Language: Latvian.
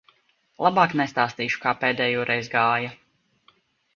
Labāk nestāstīšu, kā pēdējoreiz gāja.